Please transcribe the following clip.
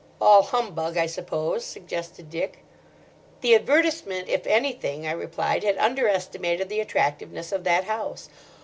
"All humbug, I suppose," suggested Dick. "The advertisement, if anything," I replied, "had under estimated the attractiveness of that house.